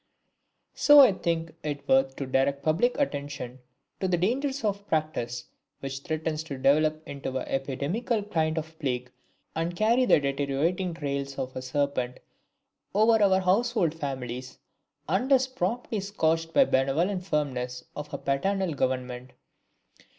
So I think it worth to direct public attention to the dangers of a practice which threatens to develop into an epidemical kind of plague, and carry the deteriorating trails of a serpent over our household families, unless promptly scotched by benevolent firmness of a paternal Government.